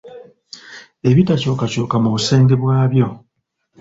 Ebitakyukakykuka mu busengeke bwabyo.